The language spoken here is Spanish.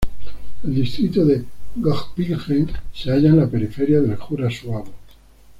El Distrito de Göppingen se halla en la periferia del Jura Suabo.